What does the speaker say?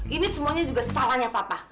ini semuanya juga salahnya papa